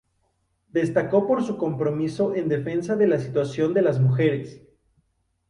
Destacó por su compromiso en defensa de la situación de las mujeres.